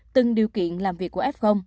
từng điều kiện làm việc của f